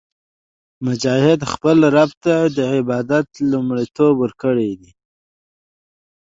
مجاهد د خپل رب عبادت ته لومړیتوب ورکوي.